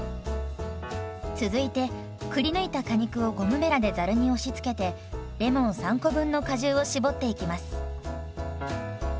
続いてくりぬいた果肉をゴムべらでざるに押しつけてレモン３個分の果汁を搾っていきます。